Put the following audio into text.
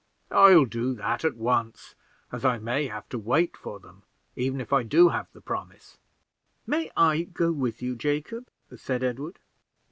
I'll do that at once, as I may have to wait for them, even if I do have the promise." "May I go with you, Jacob?" said Edward.